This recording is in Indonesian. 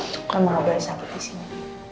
tungguin mama ga boleh sakit disini